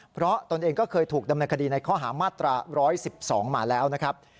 เพราะตนเองก็เคยถูกดำเนินคดีในข้อหามาตรา๑๑๒มาแล้วนะครับ